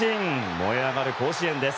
燃え上がる甲子園です。